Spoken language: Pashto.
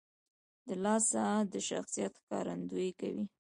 • د لاس ساعت د شخصیت ښکارندویي کوي.